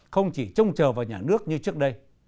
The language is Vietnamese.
không chỉ trông chờ vào nhà nước như trước đây